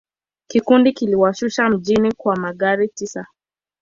Kikundi kiliwashusha mjini kwa magari tisa.